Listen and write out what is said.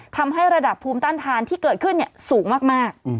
ทำให้ระดับภูมิต้านทานที่เกิดขึ้นสูงมาก